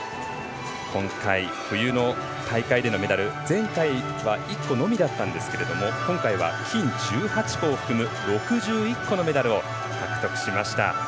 今回、冬の大会でのメダル前回は１個のみだったんですが今回は、金１８個を含む６１個のメダルを獲得しました。